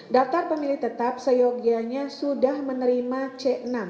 daftar pemilih tetap seyogianya sudah menerima c enam